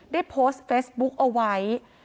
ได้โพสต์เฟซบุ๊กเอาไว้